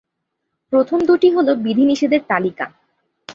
প্রথম দুটি হল বিধিনিষেধের তালিকা।